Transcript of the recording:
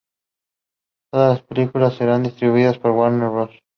Todas las películas serán distribuidas por Warner Bros.